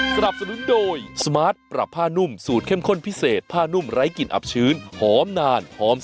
สวัสดีค่ะ